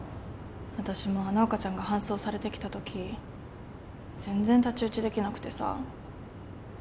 私もあの赤ちゃんが搬送されてきたとき全然太刀打ちできなくてさ。